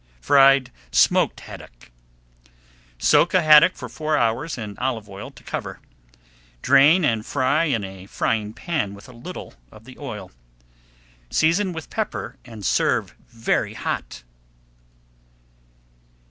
FRIED SMOKED HADDOCK Soak a haddock for four hours in olive oil to cover. Drain and fry in a frying pan with a little of the oil. Season with pepper and serve very hot.